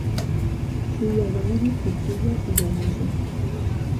Shuyawanki kutsilla tikramusha.